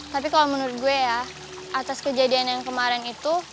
tapi kalau menurut gue ya atas kejadian yang kemarin itu